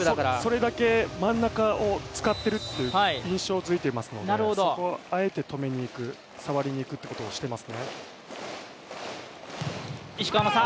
それだけ真ん中を使っているという印象がついていますのでそこはあえて止めにいく、触りにいくということをしてますね。